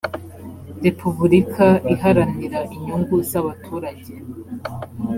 repubulika iharanira inyungu zabaturage.